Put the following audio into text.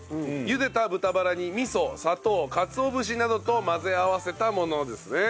茹でた豚バラに味噌砂糖かつお節などと混ぜ合わせたものですね。